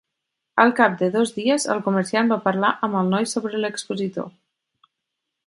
Al cap de dos dies, el comerciant va parlar amb el noi sobre l'expositor.